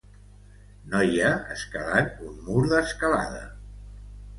Noia escalant un mur d'escalada.